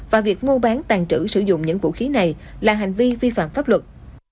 và việc mua bán tàn trữ sử dụng những vũ khí này là hành vi vi phạm pháp luật